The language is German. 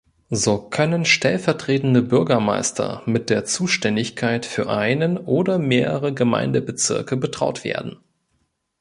So können stellvertretende Bürgermeister mit der Zuständigkeit für einen oder mehrere Gemeindebezirke betraut werden.